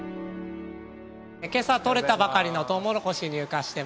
今朝採れたばかりのとうもろこし入荷してます。